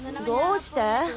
どうして？